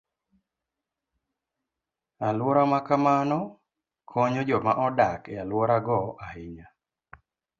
Alwora ma kamano konyo joma odak e alworago ahinya.